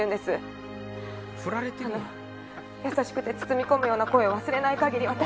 あの優しくて包み込むような声を忘れない限り。